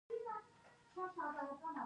اوښ د افغان کلتور سره تړاو لري.